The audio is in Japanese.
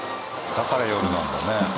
だから夜なんだね。